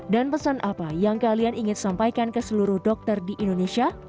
dan pesan apa yang kalian ingin sampaikan ke seluruh dokter di indonesia